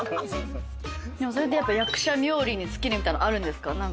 でもそれって役者冥利に尽きるみたいなのあるんですか？